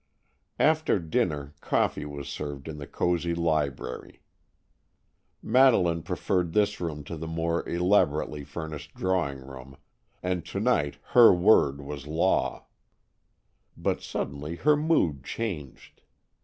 After dinner coffee was served in the cozy library. Madeleine preferred this room to the more elaborately furnished drawing room, and to night her word was law. But suddenly her mood changed.